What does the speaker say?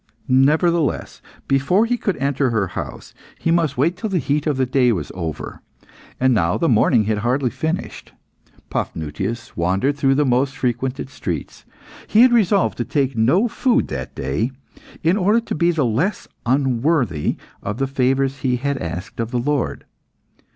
Nevertheless, before he could enter her house, he must wait till the heat of the day was over, and now the morning had hardly finished. Paphnutius wandered through the most frequented streets. He had resolved to take no food that day, in order to be the less unworthy of the favours he had asked of the Lord.